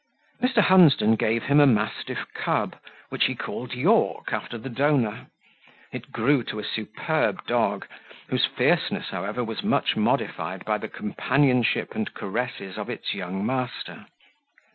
Mr. Hunsden gave him a mastiff cub, which he called Yorke, after the donor; it grew to a superb dog, whose fierceness, however, was much modified by the companionship and caresses of its young master.